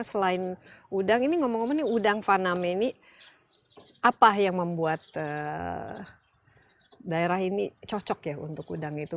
selain udang ini ngomong ngomong ini udang faname ini apa yang membuat daerah ini cocok ya untuk udang itu